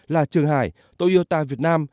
là trường hải toyota việt nam